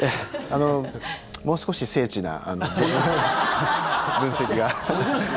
もう少し精緻な分析が。